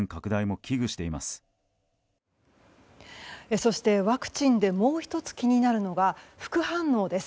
そして、ワクチンでもう１つ気になるのが副反応です。